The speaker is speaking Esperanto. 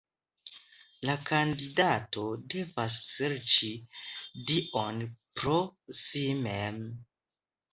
La kandidato devas serĉi Dion pro si mem.